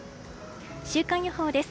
週間予報です。